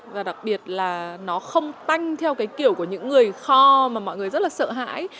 và đặc biệt là nó không tanh theo cái kiểu của những người kho mà mọi người rất là sợ hãi